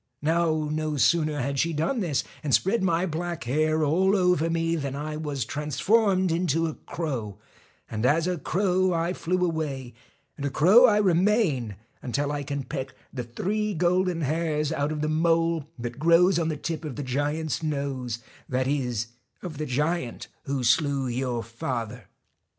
Now, no sooner had she done this, and spread my black hair all over me, than I was transformed into a crow, and as a crow I flew away, and a crow I remain until I can peck the three golden hairs out of the mole that grows on the tip of the giant's nose, that is, of the giant who slew your father.